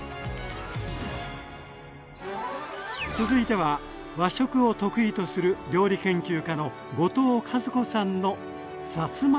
続いては和食を得意とする料理研究家の後藤加寿子さんのさつまいもご飯。